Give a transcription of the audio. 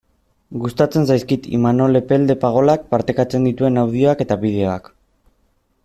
Gustatzen zaizkit Imanol Epelde Pagolak partekatzen dituen audioak eta bideoak.